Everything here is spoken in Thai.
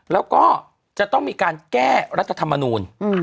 แล้วก็จะต้องมีการแก้รัฐธรรมนูล